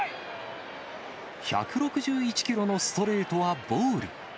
１６１キロのストレートはボール。